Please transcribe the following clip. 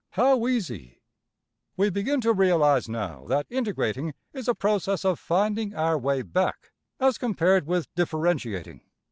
png}% We begin to realize now that integrating is a process of \emph{finding our way back}, as compared with differentiating.